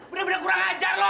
bener bener kurang ajar loh